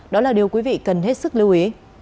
đó là điều quý vị cần hết sức lưu ý